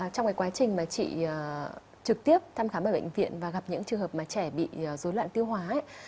trong quá trình chị trực tiếp thăm khám bệnh viện và gặp những trường hợp trẻ bị dối loạn tiêu hóa